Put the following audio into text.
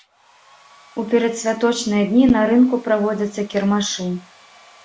У перадсвяточныя дні на рынку праводзяцца кірмашы.